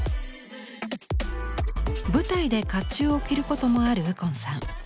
舞台で甲冑を着ることもある右近さん。